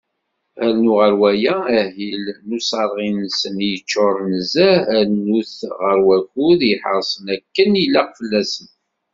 Rnu ɣer waya, ahil n useɣri-nsen i yeččuren nezzeh, rnu-t ɣer wakud i iḥeṛṣen akken ilaq fell-asen.